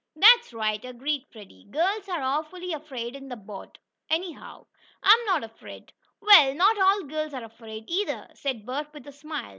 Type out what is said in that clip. "That's right," agreed Freddie. "Girls are awful 'fraid in a boat, anyhow. I'm not afraid." "Well, not all girls are afraid, either," said Bert with a smile.